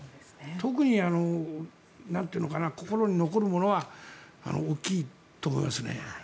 特に心に残るものは大きいと思いますね。